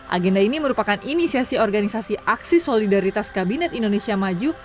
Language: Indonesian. agenda ini merupakan inisiasi organisasi aksi solidaritas kabinet indonesia maju